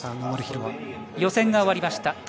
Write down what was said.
予選が終わりました。